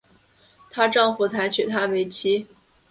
她丈夫才娶她为妻